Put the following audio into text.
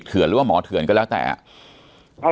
จนถึงปัจจุบันมีการมารายงานตัว